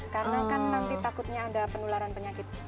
karena kan nanti takutnya ada penularan penyakit